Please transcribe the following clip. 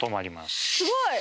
すごい！